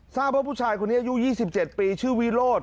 ทราบว่าผู้ชายคนนี้อายุ๒๗ปีชื่อวิโรธ